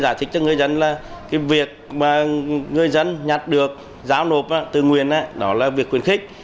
và thích cho người dân là cái việc mà người dân nhặt được giáo nộp từ nguyên đó là việc quyền khích